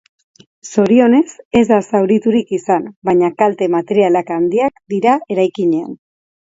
Zorionez, ez da zauriturik izan, baina kalte materialak handiak dira eraikinean.